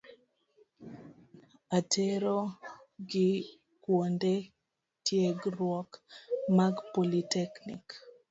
A. Terogi kuonde tiegruok mag politeknik.